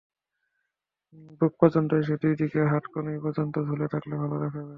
বুক পর্যন্ত এসে, দুই দিকের হাতা কনুই পর্যন্ত ঝুলে থাকলে ভালো দেখাবে।